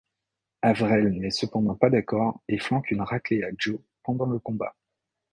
Averell n'est cependant pas d'accord et flanque une râclée à Joe pendant le combat.